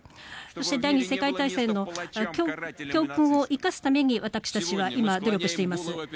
そして第２次世界大戦の教訓を生かすために私たちは今、努力しています。